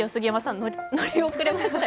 乗り遅れましたよ。